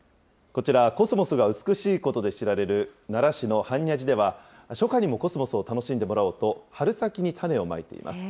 こちら、コスモスが美しいことで知られる奈良市の般若寺では、初夏にもコスモスを楽しんでもらおうと、春先に種をまいています。